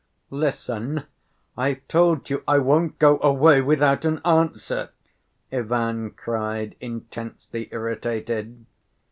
"Listen; I've told you I won't go away without an answer!" Ivan cried, intensely irritated.